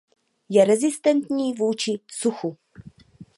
Je rezistentní vůči suchu.